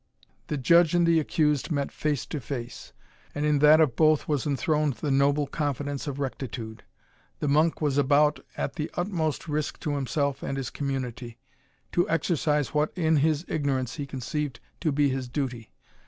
The judge and the accused met face to face, and in that of both was enthroned the noble confidence of rectitude. The monk was about, at the utmost risk to himself and his community, to exercise what in his ignorance he conceived to be his duty.